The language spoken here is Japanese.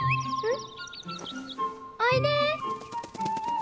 ・ん？